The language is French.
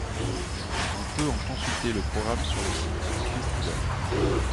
On peut en consulter le programme sur le site du festival.